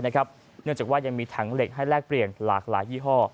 เนื่องจากว่ายังมีถังเหล็กให้แลกเปลี่ยนหลากหลายยี่ห้อ